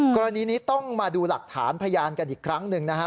กรณีนี้ต้องมาดูหลักฐานพยานกันอีกครั้งหนึ่งนะฮะ